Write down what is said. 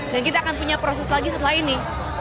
kita akan punya proses lagi setelah ini